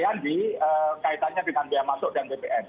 rancangan dikaitannya dengan biaya masuk dan ppn